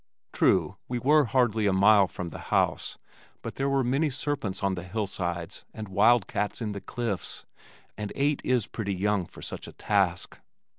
True, we were hardly a mile from the house, but there were many serpents on the hillsides and wildcats in the cliffs, and eight is pretty young for such a task.